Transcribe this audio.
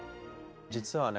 実はね